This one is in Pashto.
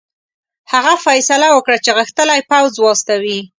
هغه فیصله وکړه چې غښتلی پوځ واستوي.